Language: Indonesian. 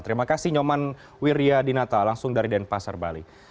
terima kasih nyoman wiryadinata langsung dari denpasar bali